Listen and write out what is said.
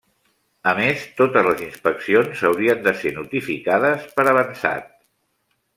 A més, totes les inspeccions haurien de ser notificades per avançat.